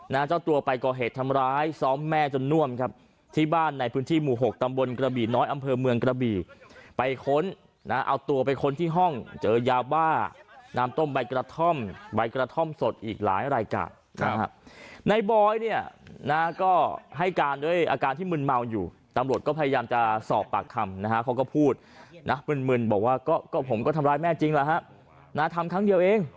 เจ้าตัวไปก่อเหตุทำร้ายซ้อมแม่จนน่วมครับที่บ้านในพื้นที่หมู่หกตำบลกระบี่น้อยอำเภอเมืองกระบี่ไปค้นนะเอาตัวไปค้นที่ห้องเจอยาบ้าน้ำต้มใบกระท่อมใบกระท่อมสดอีกหลายรายการนะฮะในบอยเนี่ยนะก็ให้การด้วยอาการที่มึนเมาอยู่ตำรวจก็พยายามจะสอบปากคำนะฮะเขาก็พูดนะมึนมึนบอกว่าก็ก็ผมก็ทำร้ายแม่จริงแล้วฮะนะทำครั้งเดียวเอง